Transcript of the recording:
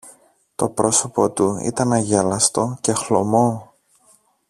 Το πρόσωπο του ήταν αγέλαστο και χλωμό.